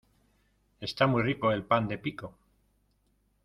Está muy rico el pan de pico